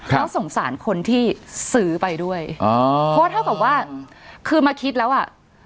เขาสงสารคนที่ซื้อไปด้วยอ๋อเพราะเท่ากับว่าคือมาคิดแล้วอ่ะ